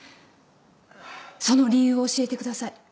その理由を教えてください。